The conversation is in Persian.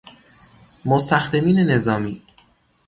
مستخدمین نظامی